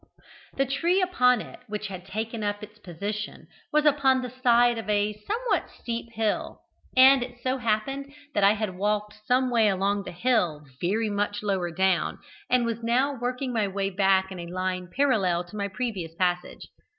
The tree upon which it had taken up its position was upon the side of a somewhat steep hill, and it so happened that I had walked some way along the said hill very much lower down, and was now working my way back in a line parallel to my previous passage.